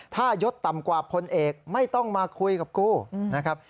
ถ้ายศต่ำกว่าพลเอกไม่ต้องมาคุยกับกูนะครับ